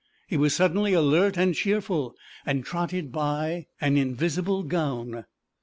He was suddenly alert and cheerful, and trotted by an invisible gown.